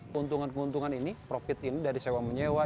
keuntungan keuntungan ini profit ini dari sewa menyewa